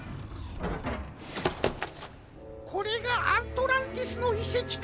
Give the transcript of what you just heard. これがアントランティスのいせきか。